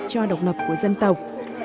cho độc lập của dân tộc